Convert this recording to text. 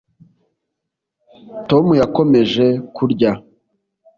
Tom yakomeje kurya